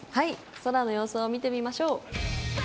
空の様子を見てみましょう。